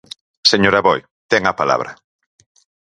Señor Aboi, ten a palabra.